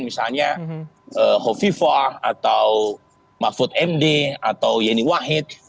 misalnya hovifah atau mahfud md atau yeni wahid